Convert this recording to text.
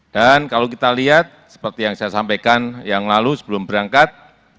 dan kalau kita lihat seperti yang saya sampaikan yang lalu sebelum berangkat